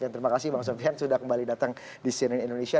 terima kasih bang sofian sudah kembali datang di cnn indonesia